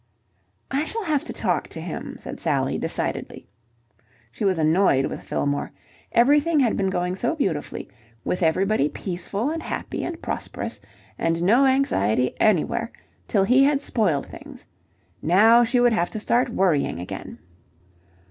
"I shall have to talk to him," said Sally decidedly. She was annoyed with Fillmore. Everything had been going so beautifully, with everybody peaceful and happy and prosperous and no anxiety anywhere, till he had spoiled things. Now she would have to start worrying again.